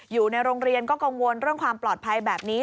อยู่ในโรงเรียนก็กังวลเรื่องความปลอดภัยแบบนี้